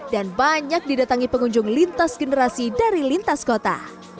dan banyak didatangi pengunjung lintas generasi dari lintas kota